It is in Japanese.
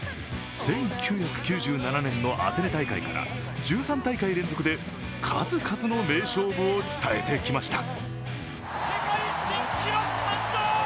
１９９７年のアテネ大会から１３大会連続で数々の名勝負を伝えてきました。